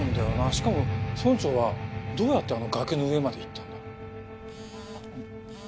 しかも村長はどうやってあの崖の上まで行ったんだ？